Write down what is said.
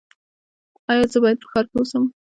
ایا زه باید په ښار کې اوسم؟